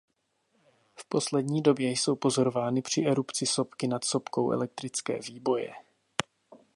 V poslední době jsou pozorovány při erupci sopky nad sopkou elektrické výboje.